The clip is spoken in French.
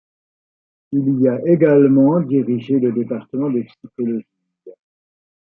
Il y a également dirigé le département de psychologie.